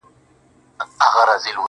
• په درد آباد کي، ویر د جانان دی.